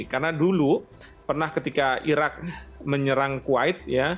karena dulu pernah ketika irak menyerang kuwait